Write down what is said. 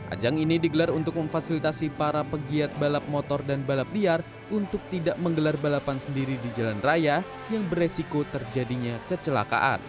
ajang ini digelar untuk memfasilitasi para pegiat balap motor dan balap liar untuk tidak menggelar balapan sendiri di jalan raya yang beresiko terjadinya kecelakaan